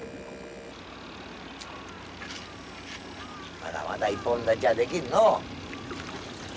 まだまだ一本立ちはできんのう。